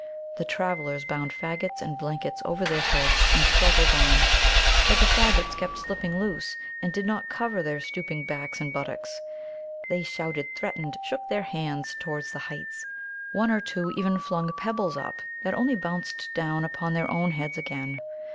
The travellers bound faggots and blankets over their heads, and struggled on, but the faggots kept slipping loose, and did not cover their stooping backs and buttocks. They shouted, threatened, shook their hands towards the heights; one or two even flung pebbles up that only bounced down upon their own heads again.